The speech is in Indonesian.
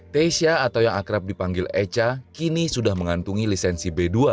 teisya atau yang akrab dipanggil eca kini sudah mengantungi lisensi b dua